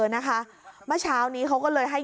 นะคะเมื่อเช้านี้เขาก็เลยให้